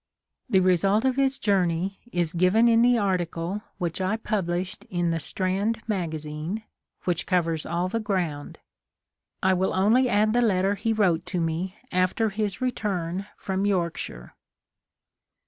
The result of his journey is given in . 34 HOW THE MATTER AROSE the article which I published in the Strand Magazine, which covers all the ground. I will only add the letter he wrote to me after his return from Yorkshire.